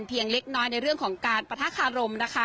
เพียงเล็กน้อยในเรื่องของการปะทะคารมนะคะ